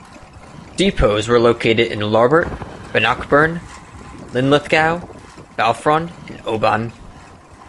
Depots were located in Larbert, Bannockburn, Linlithgow, Balfron and Oban.